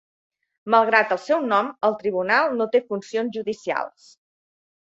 Malgrat el seu nom, el tribunal no té funcions judicials.